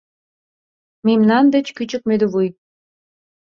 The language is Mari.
Мемнан деч кӱчык мӧдывуй.